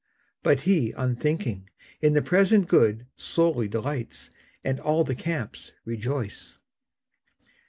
But he, unthinking, in the present good Solely delights, and all the camps rejoice.